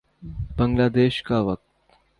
بنگلہ دیش کا وقت